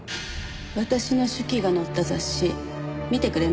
私の手記が載った雑誌見てくれました？